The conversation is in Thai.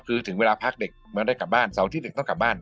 คือถึงเวลาพักเด็กมันได้กลับบ้านเสาร์ที่๑ต้องกลับบ้าน